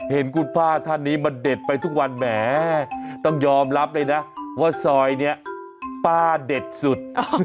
เห็นคุณป้าท่านนี้มันเด็ดไปทุกวันแหมต้องยอมรับเลยนะว่าซอยนี้ป้าเด็ดสุด